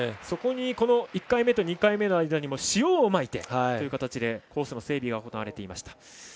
そこに１回目と２回目の間にも塩をまいてという形でコース整備が行われていました。